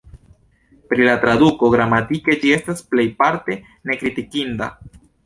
Pri la traduko: gramatike, ĝi estas plejparte nekritikinda.